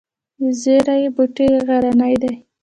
د زیرې بوټی غرنی دی